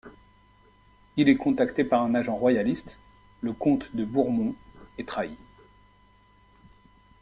Il est contacté par un agent royaliste, le comte de Bourmont, et trahit.